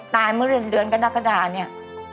ตายเมื่อเรือนเรือนกระดักกระดาษเนี้ย